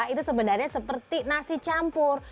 itu sebenarnya seperti nasi campur